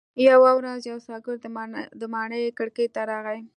یوه ورځ یو سوداګر د ماڼۍ کړکۍ ته راغی.